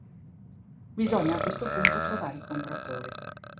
Bisogna a questo punto trovare i compratori.